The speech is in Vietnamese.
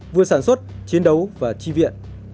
vừa sản xuất chiến đấu và chi viện